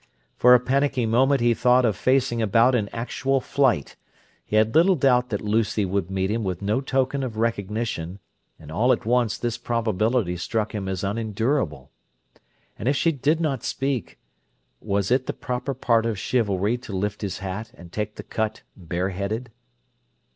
For a panicky moment he thought of facing about in actual flight; he had little doubt that Lucy would meet him with no token of recognition, and all at once this probability struck him as unendurable. And if she did not speak, was it the proper part of chivalry to lift his hat and take the cut bareheaded?